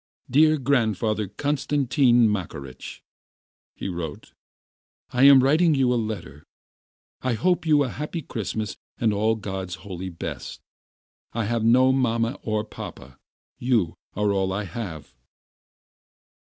"Dear Grandfather Konstantin Makarych," he wrote, "I am writing you a letter. I wish you a Happy Christmas and all God's holy best. I have no mamma or papa, you are all I have."